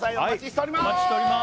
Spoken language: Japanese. お待ちしております